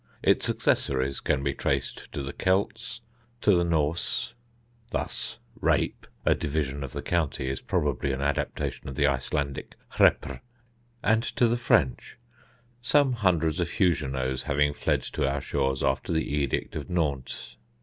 Its accessories can be traced to the Celts, to the Norse thus rape, a division of the county, is probably an adaptation of the Icelandic hreppr and to the French, some hundreds of Huguenots having fled to our shores after the Edict of Nantes.